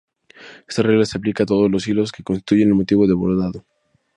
Esta regla se aplica a todas los hilos que constituyen el motivo del bordado.